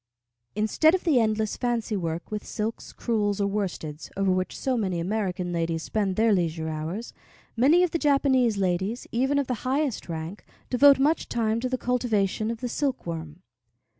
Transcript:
Instead of the endless fancy work with silks, crewels, or worsteds, over which so many American ladies spend their leisure hours, many of the Japanese ladies, even of the highest rank, devote much time to the cultivation of the silkworm.